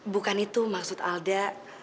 bukan itu maksud alda